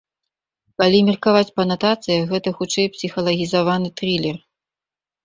Калі меркаваць па анатацыях, гэта хутчэй псіхалагізаваны трылер.